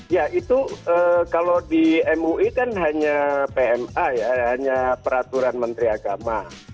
ya itu kalau di mui kan hanya pma ya hanya peraturan menteri agama